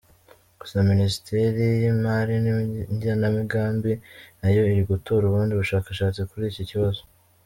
Gusa Minisiteri y’Imari n’Igenamigambi nayo iri gukora ubundi bushakashatsi kuri iki kibazo.